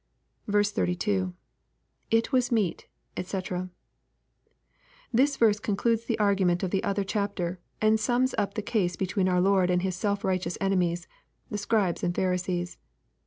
H2. — {It was meet, cfec] This verse concludes the argument of the other chapter, and sums up the case between our Lord and His self righteous enemies, the Scribes and Pharisees.